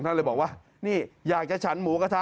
เลยบอกว่านี่อยากจะฉันหมูกระทะ